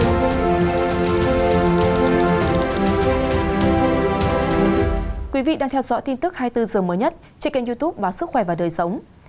thưa quý vị đang theo dõi tin tức hai mươi bốn h mới nhất trên kênh youtube báo sức khỏe và đời sống